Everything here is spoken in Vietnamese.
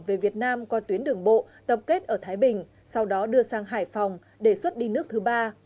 về việt nam qua tuyến đường bộ tập kết ở thái bình sau đó đưa sang hải phòng để xuất đi nước thứ ba